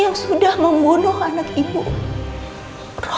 yang tentu hanya membenah rumahwithout anow bekerja bersama skilled roz